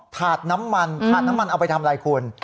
ถาดน้ำมันถาดน้ำมันเอาไปทำอะไรคุณ